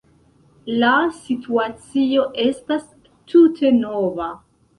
La situacio estas tute nova.